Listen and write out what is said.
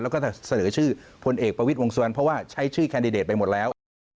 แล้วก็จะเสนอชื่อพลเอกประวิทย์วงสุวรรณเพราะว่าใช้ชื่อแคนดิเดตไปหมดแล้ว